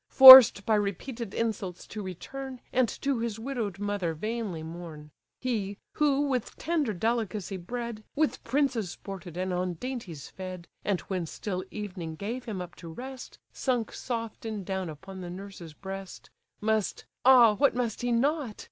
Forced by repeated insults to return, And to his widow'd mother vainly mourn: He, who, with tender delicacy bred, With princes sported, and on dainties fed, And when still evening gave him up to rest, Sunk soft in down upon the nurse's breast, Must—ah what must he not?